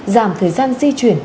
giảm thời gian di chuyển